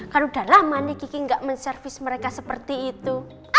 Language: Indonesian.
kalau udah lama nih kiki gak menservis mereka seperti itu